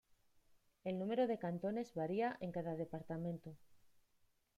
El número de cantones varía en cada departamento.